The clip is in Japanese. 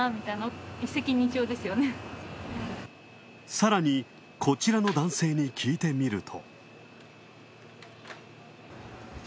さらに、こちらの男性に聞いてみると。